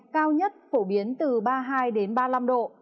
cao nhất phổ biến từ ba mươi hai ba mươi năm độ